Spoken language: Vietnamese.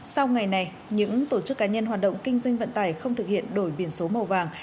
sau ngày này những tổ chức cá nhân hoạt động kinh doanh vận tải không thực hiện đổi biển số màu vàng